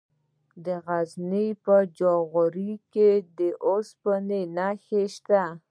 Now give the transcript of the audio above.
د غزني په جاغوري کې د اوسپنې نښې شته.